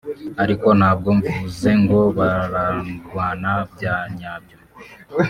ariko ntabwo mvuze ngo bararwana bya nyabyo